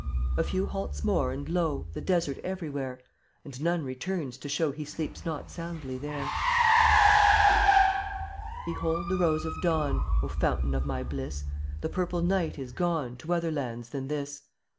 A few halts more and lo! The desert everywhere; And none returns to show He sleeps not soundly there. Behold the rose of dawn, O Fountain of my bliss! The purple night is gone To other lands than this.